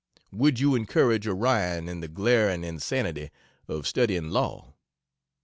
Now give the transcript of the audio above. Would you encourage Orion in the glaring insanity of studying law?